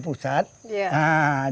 kurikulumnya terpulih pusat